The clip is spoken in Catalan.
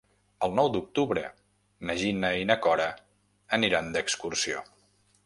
El nou d'octubre na Gina i na Cora aniran d'excursió.